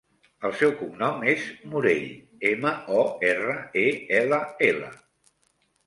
El seu cognom és Morell: ema, o, erra, e, ela, ela.